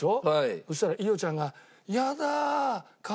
そしたら伊代ちゃんが。